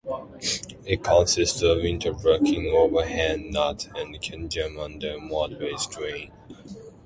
It consists of interlocking overhand knots, and can jam under moderate strain.